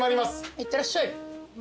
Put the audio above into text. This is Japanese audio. いってらっしゃい。